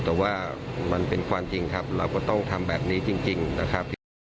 แต่ว่ามันเป็นความจริงครับเราก็ต้องทำแบบนี้จริงนะครับ